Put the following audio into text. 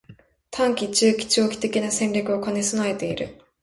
③ 短期、中期、長期的な戦略を兼ね備えている